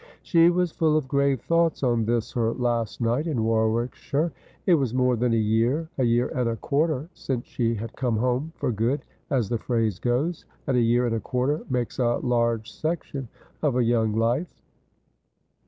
She was full of grave thoughts on this her last night in Warwickshire. It was more than a year — a year and a quarter — since she had come home for good, as the phrase goes, and a year and a quarter makes a large section of a young life.